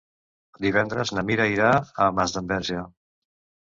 Divendres na Mira irà a Masdenverge.